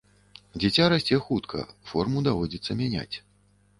Дзіця расце хутка, форму даводзіцца мяняць.